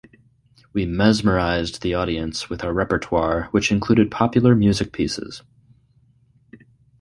We mesmerised the audience with our repertoire which included popular music pieces.